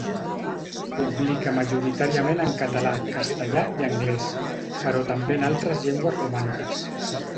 Publica majoritàriament en català, castellà i anglès, però també en altres llengües romàniques.